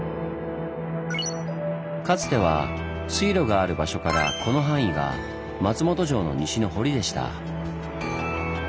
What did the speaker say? かつては水路がある場所からこの範囲が松本城の西の堀でした。